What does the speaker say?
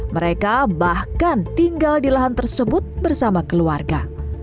mereka bahkan tinggal di lahan tersebut bersama keluarga